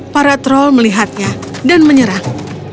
para troll melihatnya dan menyerang